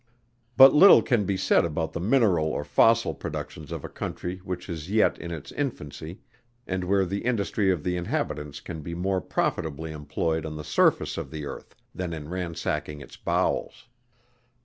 But little can be said about the mineral or fossil productions of a country which is yet in its infancy, and where the industry of the inhabitants can be more profitably employed on the surface of the earth than in ransacking its bowels.